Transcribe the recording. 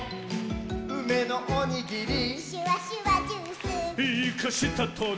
「うめのおにぎり」「シュワシュワジュース」「イカしたトゲ」